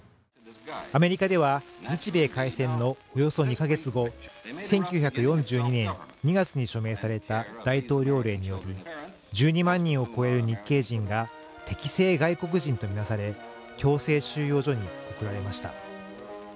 アメリカでは日米開戦のおよそ２か月後１９４２年２月に署名された大統領令により１２万人を超える日系人が敵性外国人と見なされ強制収容所に送られました